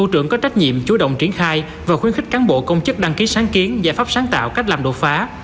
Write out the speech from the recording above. trách nhiệm chú động triển khai và khuyến khích cán bộ công chức đăng ký sáng kiến giải pháp sáng tạo cách làm đột phá